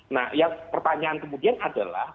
nah yang pertanyaan kemudian adalah